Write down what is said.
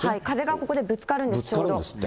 風がここでぶつかるんですけども。